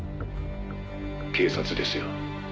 「警察ですよ」